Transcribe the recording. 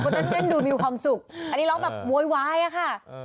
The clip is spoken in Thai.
ไม่นะคุณก็ได้ดูมีความสุขอันนี้ร้องแบบโว๊ยวายอะค่ะ